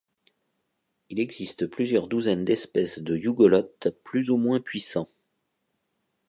Il existe plusieurs douzaines d'espèces de yugoloths plus ou moins puissants.